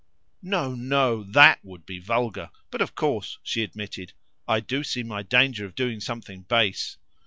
"No, no, THAT would be vulgar. But of course," she admitted, "I do see my danger of doing something base."